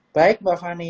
baik mbak fanny